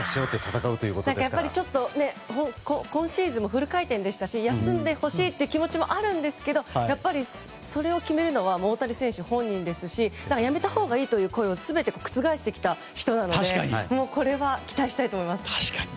ちょっと今シーズンフル回転でしたし休んでほしいという気持ちもあるんですけどやっぱり、それを決めるのは大谷選手本人ですしやめたほうがいいという声をすべて覆してきた人なので確かに。